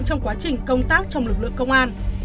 trong quá trình công tác trong lực lượng công an